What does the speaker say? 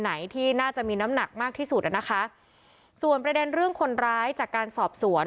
ไหนที่น่าจะมีน้ำหนักมากที่สุดอ่ะนะคะส่วนประเด็นเรื่องคนร้ายจากการสอบสวน